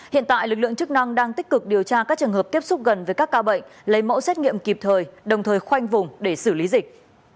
hiện tại lực lượng chức năng đang tích cực điều tra các trường hợp tiếp xúc gần với các ca bệnh lấy mẫu xét nghiệm kịp thời đồng thời khoanh vùng để xử lý dịch